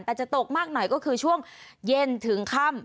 แต่จะตกมากหน่อยก็คือช่วงเย็นถึงค่ำ